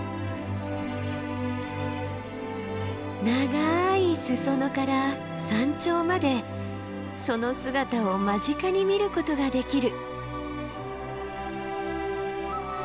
長い裾野から山頂までその姿を間近に見ることができる。